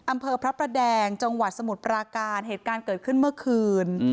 อำเภอพระประแดงจังหวัดสมุทรปราการเหตุการณ์เกิดขึ้นเมื่อคืน